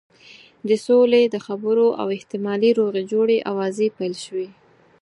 د سولې د خبرو او احتمالي روغې جوړې آوازې پیل شوې.